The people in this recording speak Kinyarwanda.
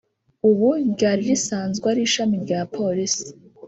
ubu ryari risanzwe ari ishami rya polisi